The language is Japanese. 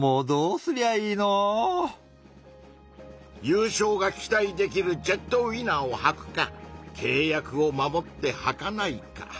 ゆうしょうが期待できるジェットウィナーをはくかけい約を守ってはかないか。